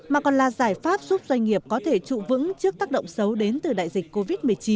mà còn là giải pháp giúp doanh nghiệp có thể trụ vững trước tác động xấu đến từ đại dịch covid một mươi chín